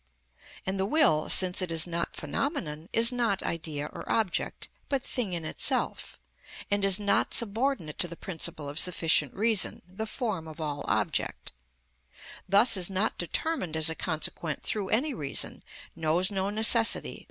And the will, since it is not phenomenon, is not idea or object, but thing in itself, and is not subordinate to the principle of sufficient reason, the form of all object; thus is not determined as a consequent through any reason, knows no necessity, _i.